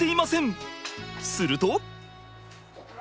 すると。